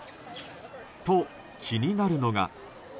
と、気になるのが。